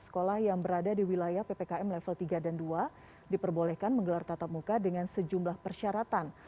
sekolah yang berada di wilayah ppkm level tiga dan dua diperbolehkan menggelar tatap muka dengan sejumlah persyaratan